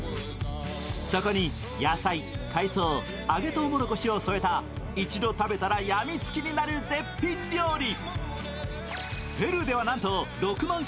そこに野菜、海藻、揚げとうもろこしを添えた一度食べたら病みつきになる絶品料理。